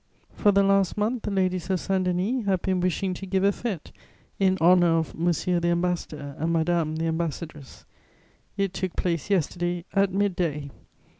For the last month, the ladies of Saint Denis have been wishing to give a fête in honour of 'M. the Ambassador' and 'Madame the Ambassadress:' it took place yesterday at mid day.